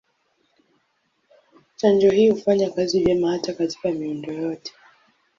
Chanjo hii hufanya kazi vyema hata katika miundo yote.